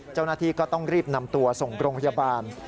เจ้าหน้าที่ก็ต้องรีบนำตัวส่งโรงพยาบาล